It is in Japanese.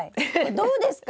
どうですか？